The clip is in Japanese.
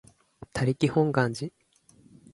他力本願寺